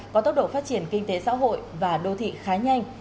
có tốc độ phát triển kinh tế xã hội và đô thị khá nhanh